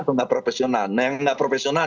atau nggak profesional nah yang nggak profesional